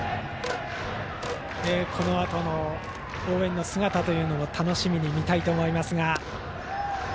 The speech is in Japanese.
このあとの応援の姿も楽しみに見たいと思います。